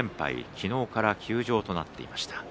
昨日から休場となっていました。